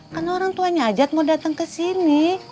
karena orang tuanya ajat mau datang ke sini